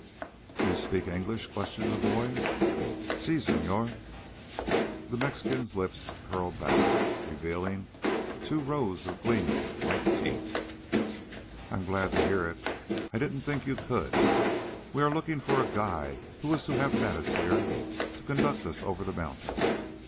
"You speak English?" questioned the boy. "Si, señor." The Mexican's lips curled back, revealing two rows of gleaming, white teeth. "I'm glad to hear it. I didn't think you could. We are looking for a guide who was to have met us here to conduct us over the mountains.